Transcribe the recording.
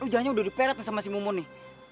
lo jahatnya udah diperet sama si mumun nih